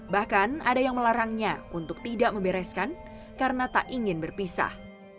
bahkan ada yang melarangnya untuk tidak membereskan karena tak ingin berpisah